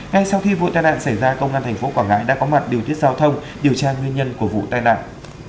ngay sau khi vụ tai nạn xảy ra công an tp quảng ngãi đã có mặt điều tiết giao thông điều tra nguyên nhân của vụ tai nạn